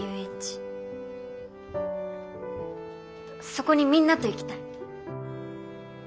そこにみんなと行きたい。